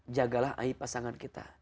jagalah aim pasangan kita